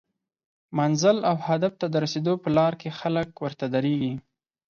منزل او هدف ته د رسیدو په لار کې خلک ورته دریږي